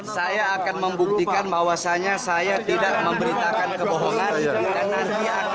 saya akan membuktikan bahwasannya saya tidak memberitakan kebohongan